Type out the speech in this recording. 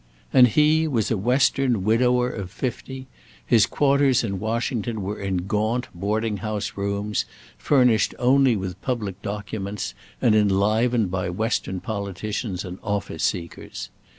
And he was a western widower of fifty; his quarters in Washington were in gaunt boarding house rooms, furnished only with public documents and enlivened by western politicians and office seekers.